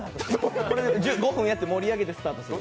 １５分やって盛り上げてスタートする。